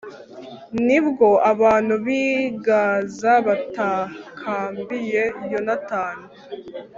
ni bwo abantu b'i gaza batakambiye yonatani